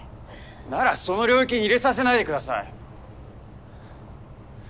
ならその領域に入れさせないで下さい。